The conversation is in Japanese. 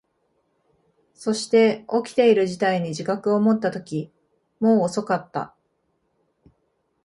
そして、起きている事態に自覚を持ったとき、もう遅かった。